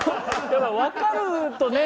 だからわかるとね